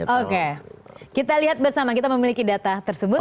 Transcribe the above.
oke kita lihat bersama kita memiliki data tersebut